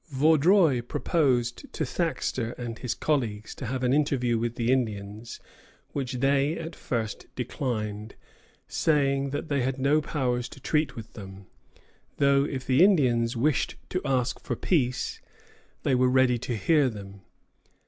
Vaudreuil proposed to Thaxter and his colleagues to have an interview with the Indians, which they at first declined, saying that they had no powers to treat with them, though, if the Indians wished to ask for peace, they were ready to hear them.